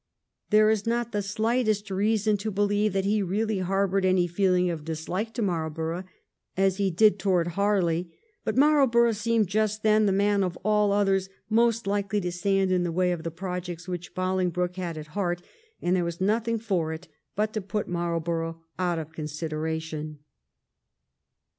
There is not the slightest reason to believe that he really harboured any feeling of dislike to Marlborough, as he did towards Harley, but Marlborough seemed just then the man of all others most likely to stand in the way of the projects which Bolingbroke had at heart, and there was nothing for it but to put Marlborough out of consideration.